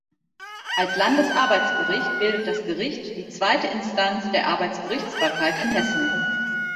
Als Landesarbeitsgericht bildet das Gericht die zweite Instanz der Arbeitsgerichtsbarkeit in Hessen.